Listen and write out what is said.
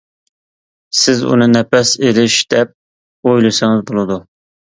سىز ئۇنى نەپەس ئېلىش دەپ ئويلىسىڭىز بولىدۇ.